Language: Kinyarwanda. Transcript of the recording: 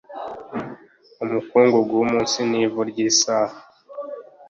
umukungugu wumunsi nivu ryisaha